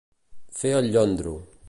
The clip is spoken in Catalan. Fer el llondro.